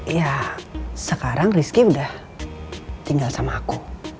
iya sekarang rizky udah tinggal sama aku